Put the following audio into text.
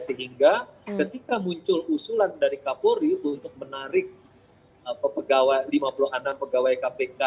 sehingga ketika muncul usulan dari kapolri untuk menarik lima puluh enam pegawai kpk